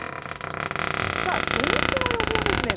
土日の予報ですね。